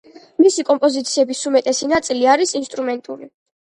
მისი კომპოზიციების უმეტესი ნაწილი არის ინსტრუმენტული.